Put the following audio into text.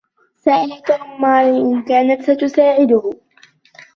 سأل توم ماري إن كانت ستساعده.